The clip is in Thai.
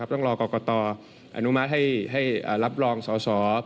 ต้องรอกรกตอนุมัติให้รับรองสอสอ